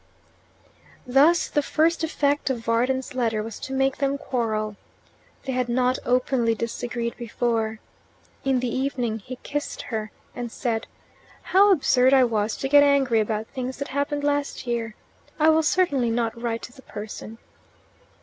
Thus the first effect of Varden's letter was to make them quarrel. They had not openly disagreed before. In the evening he kissed her and said, "How absurd I was to get angry about things that happened last year. I will certainly not write to the person."